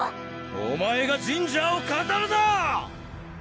お前がジンジャーを語るな！